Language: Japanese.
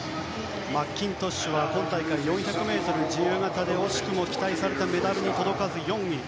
マッキントッシュは今大会４００ｍ自由形で惜しくも期待されていたメダルに届かず４位。